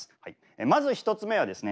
まず１つ目はですね